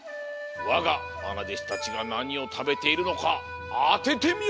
わがまなでしたちがなにをたべているのかあててみよ！